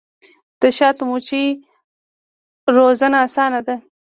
د شاتو مچیو روزنه اسانه ده؟